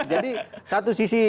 jadi satu sisi